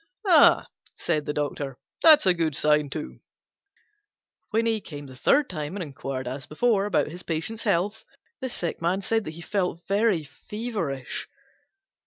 "Ah," said the Doctor, "that's a good sign too." When he came the third time and inquired as before about his patient's health, the Sick Man said that he felt very feverish.